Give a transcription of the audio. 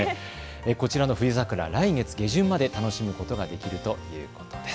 こちらの冬桜、来月下旬まで楽しむことができるということです。